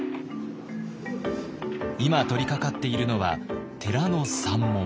今取りかかっているのは寺の山門。